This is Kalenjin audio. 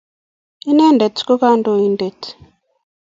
Inendet ko kanyoindet.